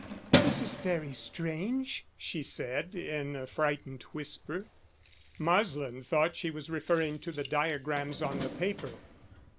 "This is very strange," she said, in a frightened whisper. Marsland thought she was referring to the diagrams on the paper.